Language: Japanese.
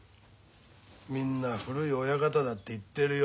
みんな古い親方だって言ってるよ。